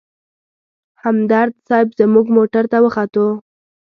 همدرد صیب زموږ موټر ته وختو.